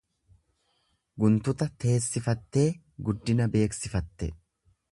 Guntuta teessifattee guddina beeksifatte.